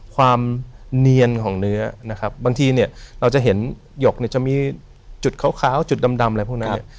ความเนียนของเนื้อนะครับบางทีเนี่ยเราจะเห็นหยกเนี่ยจะมีจุดขาวจุดดำอะไรพวกนั้นเนี่ย